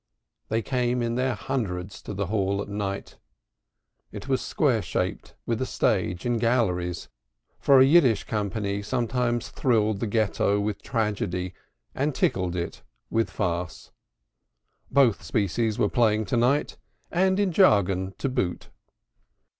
They came in their hundreds to the hall at night. It was square shaped with a stage and galleries, for a jargon company sometimes thrilled the Ghetto with tragedy and tickled it with farce. Both species were playing to night, and in jargon to boot.